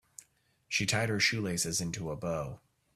She tied her shoelaces into a bow.